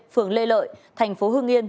phường lê lợi thành phố hưng yên